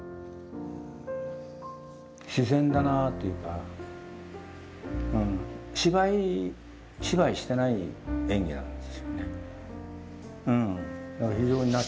自然だなというか芝居芝居してない演技なんですよね。